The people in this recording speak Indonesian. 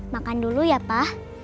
makan dulu ya pa